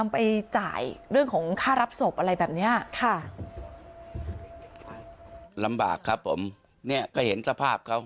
ไปจ่ายเรื่องของค่ารับศพอะไรแบบเนี้ยค่ะลำบากครับผมเนี่ยก็เห็นสภาพเขา